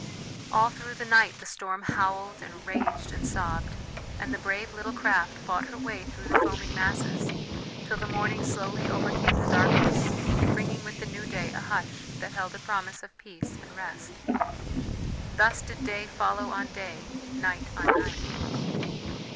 All through the night the storm howled, and raged, and sobbed; and the brave little craft fought her way through the foaming masses, till the morning slowly overcame the darkness, bringing with the new day a hush that held a promise of peace and rest. Thus did day follow on day, night on night.